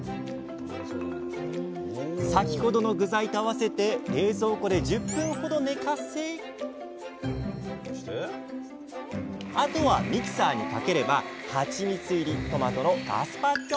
先ほどの具材と合わせて冷蔵庫で１０分ほど寝かせあとはミキサーにかければハチミツ入りトマトのガスパチョの完成！